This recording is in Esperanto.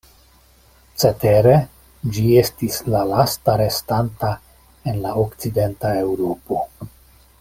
Cetere ĝi estis la lasta restanta en la Okcidenta Eŭropo.